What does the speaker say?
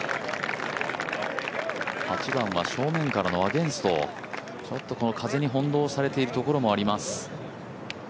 ８番は正面からのアゲンストちょっと風に翻弄されているところもあります。